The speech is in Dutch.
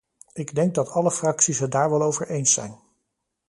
Ik denk dat alle fracties het daar wel over eens zijn.